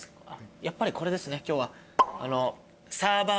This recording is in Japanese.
やっぱりこれですね今日は。